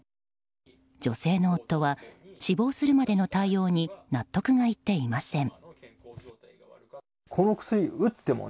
女性の夫は死亡するまでの対応に納得がいっていません。